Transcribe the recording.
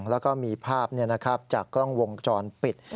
แล้วก็มีภาพจากกล้องวงจรปิด